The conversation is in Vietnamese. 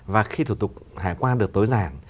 và khi thủ tục hải quan được tối giản